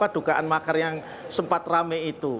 dugaan makar yang sempat rame itu